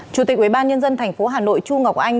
chủ tịch ubnd tp hà nội chu ngọc anh